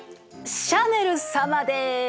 シャネル様です！